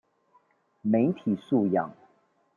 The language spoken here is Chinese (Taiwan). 媒體素養